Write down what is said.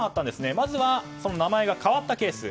まずは名前が変わったケース。